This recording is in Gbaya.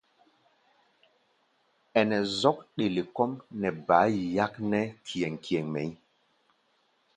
Ɛnɛ zɔ́k ɗele kɔ́ʼm nɛ bá yi yáknɛ́ kíéŋ-kíéŋ mɛʼí̧.